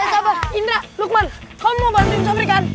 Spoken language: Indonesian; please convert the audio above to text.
loh lohkman kamu mau bantu sobri kan